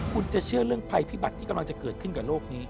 คุณจะเชื่อเรื่องภัยพิบัติที่กำลังจะเกิดขึ้นกับโลกนี้